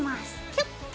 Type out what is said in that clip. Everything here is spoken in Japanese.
キュッと。